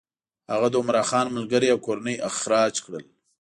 هغه د عمرا خان ملګري او کورنۍ اخراج کړل.